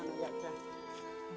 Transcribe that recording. sumadi juga mengumpul perutnya